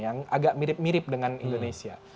yang agak mirip mirip dengan indonesia